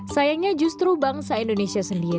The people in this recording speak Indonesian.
sayangnya justru bangsa indonesia